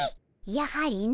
やはりの。